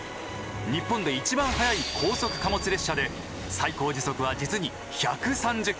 日本で一番速い高速貨物列車で最高時速は実に１３０キロ。